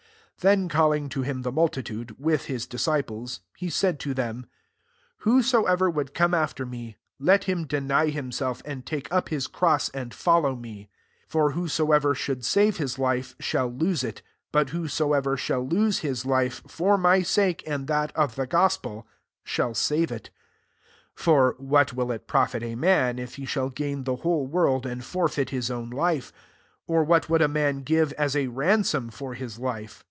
34 Then calling to him the multitude, with his disciples, he said to them, Whosoever would come after me, let him deny himself, and take up his cross, and follow me. 35 For whosoever would save his life, shall lose it; but whosoever shall lose [his life] for my sake and that of the gospel, shall save it. 36 ("For what will it profit a man, if he shall gain the whole world and forfeit his own life ? 37 Or what would a man give as a ransom for his life